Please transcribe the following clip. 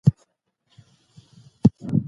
خلک ماته کړي ښراوي